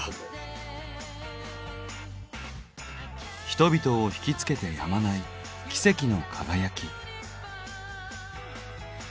人々をひきつけてやまない奇跡の輝き。